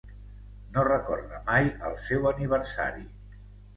No recorda mai el seu aniversari.